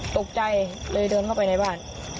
ตกใจเลยเดินเข้าไปในบ้าน